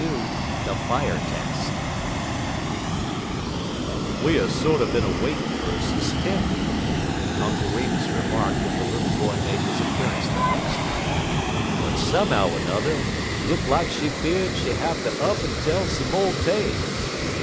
XLII THE FIRE TEST "We er sorter bin a waitin' fer Sis Tempy," Uncle Remus remarked when the little boy made his appearance the next night; "but somehow er n'er look lak she fear'd she hatter up en tell some mo' tales.